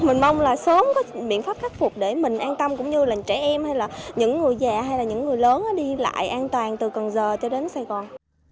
mình mong là sớm có biện pháp khắc phục để mình an tâm cũng như là trẻ em hay là những người già hay là những người lớn đi lại an toàn từ cần giờ cho đến sài gòn